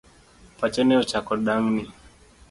Pache ne ochako dang'ni.